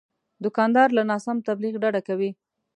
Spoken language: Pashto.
دوکاندار له ناسم تبلیغ ډډه کوي.